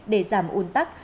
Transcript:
để giảm ồn tắc